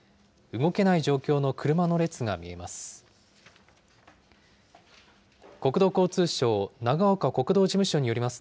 動けない状況の車の列が見えます。